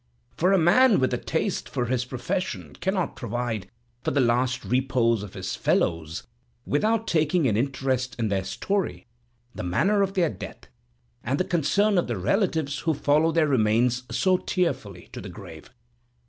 For a man with a taste for his profession cannot provide for the last repose of his fellows without taking an interest in their story, the manner of their death, and the concern of the relatives who follow their remains so tearfully to the grave."